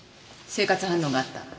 生活反応があった。